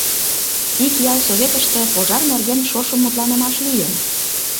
Ик ял советыште пожар нерген шошым мутланымаш лийын.